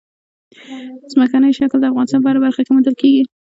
ځمکنی شکل د افغانستان په هره برخه کې موندل کېږي.